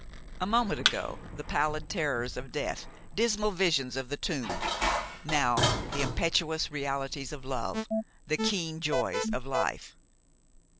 A moment ago the pallid terrors of death, dismal visions of the tomb; now the impetuous realities of love, the keen joys of life.